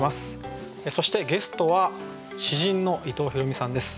そしてゲストは詩人の伊藤比呂美さんです。